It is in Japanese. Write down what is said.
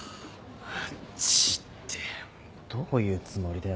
マジでどういうつもりだよ